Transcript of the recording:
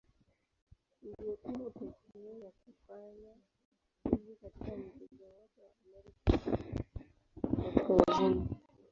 Ndio timu pekee ya kufanya hivi katika mchezo wowote wa Amerika Kaskazini.